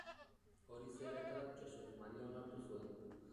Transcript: Hori zela eta Josef Maria onartu zuen.